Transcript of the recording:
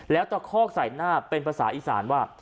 แล้วตะคอกใส่หน้าเป็นภาษาอีสานว่า